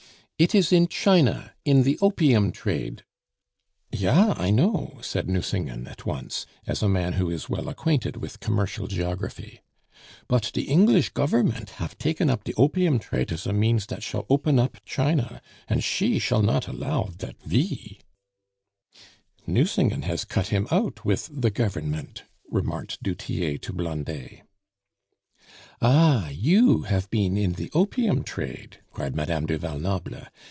"It is in China, in the opium trade " "Ja, I know," said Nucingen at once, as a man who is well acquainted with commercial geography. "But de English Gover'ment hafe taken up de opium trate as a means dat shall open up China, and she shall not allow dat ve " "Nucingen has cut him out with the Government," remarked du Tillet to Blondet. "Ah! you have been in the opium trade!" cried Madame du Val Noble.